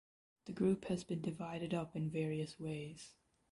The group has been divided up in various ways.